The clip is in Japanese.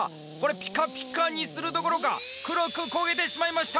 ピカピカにするどころか黒く焦げてしまいました